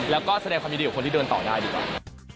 แล้วก็แสดงความยินดีกับคนที่เดินต่อได้ดีกว่า